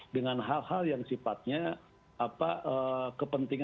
dengan hal hal yang sifatnya kepentingan